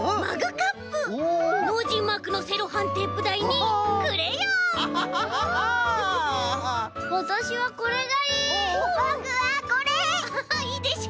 アハハッいいでしょ？